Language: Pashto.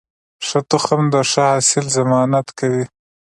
ښه تخم د ښه حاصل ضمانت کوي.